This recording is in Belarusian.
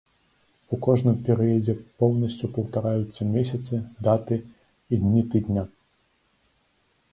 У кожным перыядзе поўнасцю паўтараюцца месяцы, даты і дні тыдня.